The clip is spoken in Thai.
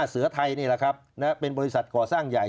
เสือไทยนี่แหละครับเป็นบริษัทก่อสร้างใหญ่